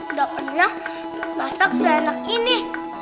udah pernah masak seenak ini